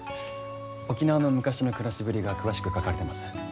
沖縄の昔の暮らしぶりが詳しく書かれてます。